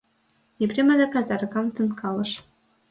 Епрем адакат аракам темкалыш.